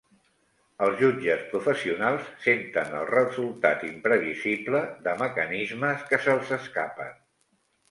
Els jutges professionals senten el resultat imprevisible de mecanismes que se'ls escapen.